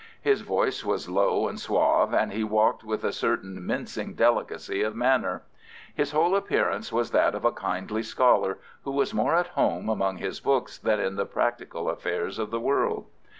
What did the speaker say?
His voice was low and suave, and he walked with a certain mincing delicacy of manner. His whole appearance was that of a kindly scholar, who was more at home among his books than in the practical affairs of the world.